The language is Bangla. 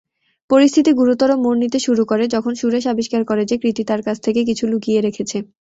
পরিস্থিতি গুরুতর মোড় নিতে শুরু করে যখন সুরেশ আবিষ্কার করে যে কৃতি তার কাছ থেকে কিছু লুকিয়ে রেখেছে।